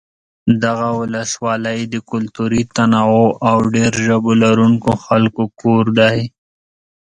دغه ولسوالۍ د کلتوري تنوع او ډېر ژبو لرونکو خلکو کور دی.